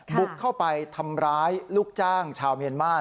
บุกเข้าไปทำร้ายลูกจ้างชาวเมียนมาส